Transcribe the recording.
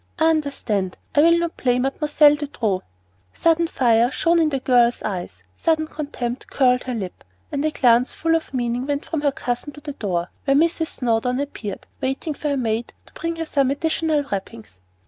I understand. I will not play Mademoiselle De Trop." Sudden fire shone in the girl's eyes, sudden contempt curled her lip, and a glance full of meaning went from her cousin to the door, where Mrs. Snowdon appeared, waiting for her maid to bring her some additional wrappings.